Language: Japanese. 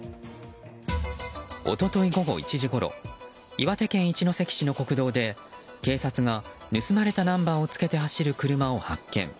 一昨日午後１時ごろ岩手県一関市の国道で警察が、盗まれたナンバーをつけて走る車を発見。